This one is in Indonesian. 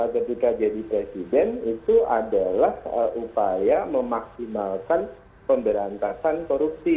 ketika jadi presiden itu adalah upaya memaksimalkan pemberantasan korupsi